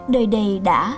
đời đầy đã